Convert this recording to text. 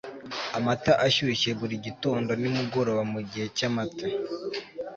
amata ashyushye buri gitondo nimugoroba mugihe cyamata